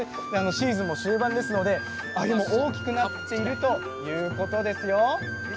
シーズンも終盤なのでアユも大きくなっているということですよ。